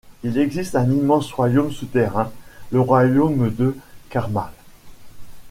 Il existe un immense royaume souterrain, le royaume de Quarmall.